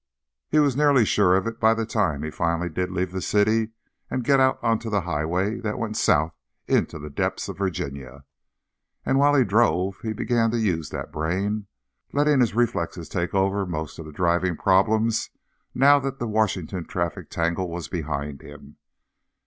He was nearly sure of it by the time he finally did leave the city and get out onto the highway that went south into the depths of Virginia. And, while he drove, he began to use that brain, letting his reflexes take over most of the driving problems now that the Washington traffic tangle was behind him.